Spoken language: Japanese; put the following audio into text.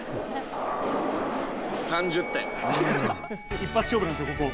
一発勝負なんですよ、ここ。